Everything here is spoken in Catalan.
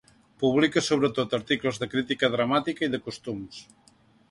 Publica sobretot articles de crítica dramàtica i de costums.